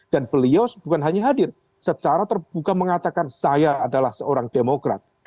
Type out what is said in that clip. dan beliau bukan hanya hadir secara terbuka mengatakan saya adalah seorang demokrat